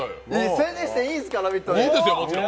宣伝していいんですか「ラヴィット！」で！